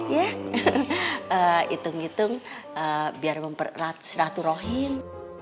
ya hitung hitung biar memperratu seratu rohim